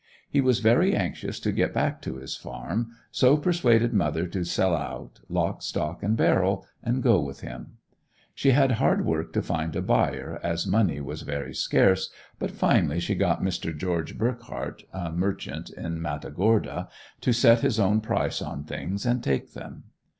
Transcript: He was very anxious to get back to his farm, so persuaded mother to sell out lock, stock and barrel and go with him. She had hard work to find a buyer as money was very scarce, but finally she got Mr. George Burkheart, a merchant in Matagorda, to set his own price on things and take them.